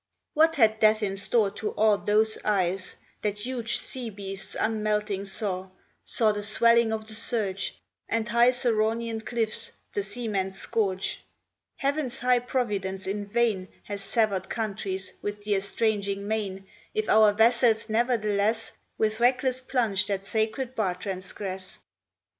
What had Death in store to awe Those eyes, that huge sea beasts unmelting saw, Saw the swelling of the surge, And high Ceraunian cliffs, the seaman's scourge? Heaven's high providence in vain Has sever'd countries with the estranging main, If our vessels ne'ertheless With reckless plunge that sacred bar transgress.